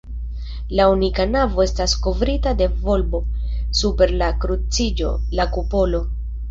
La unika navo estas kovrita de volbo; super la kruciĝo, la kupolo.